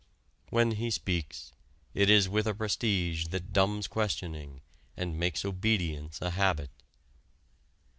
When he speaks, it is with a prestige that dumbs questioning and makes obedience a habit.